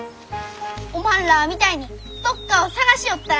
おまんらあみたいにどっかを探しよったら。